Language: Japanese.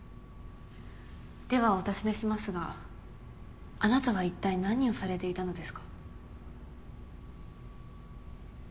ではお尋ねしますがあなたは一体何をされていたのですか？